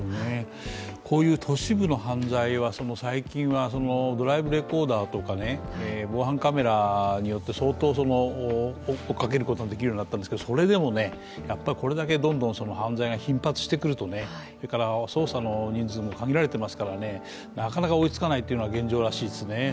こういう都市部の犯罪は最近はドライブレコーダーとか防犯カメラによって相当追っかけることができるようになったんですけどそれでも、これだけどんどん犯罪が頻発してくるとそれから捜査の人数も限られていますからなかなか追いつかないのが現状らしいですね。